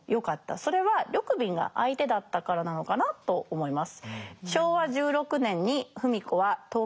それは緑敏が相手だったからなのかなと思います。